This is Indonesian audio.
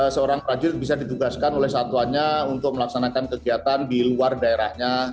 seorang prajurit bisa ditugaskan oleh satuannya untuk melaksanakan kegiatan di luar daerahnya